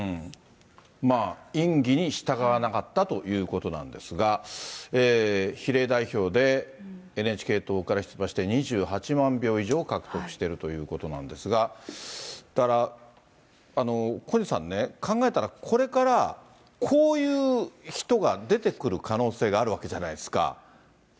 まあ、院議に従わなかったということなんですが、比例代表でＮＨＫ党から出馬して２８万票以上獲得しているということなんですが、だから、小西さんね、考えたら、これからこういう人が出てくる可能性があるわけじゃないですか。